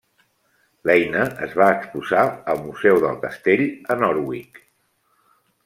L'eina es va exposar al museu del Castell a Norwich.